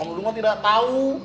om dudung kok tidak tahu